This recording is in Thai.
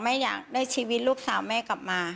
อยากได้ชีวิตลูกสาวแม่กลับมา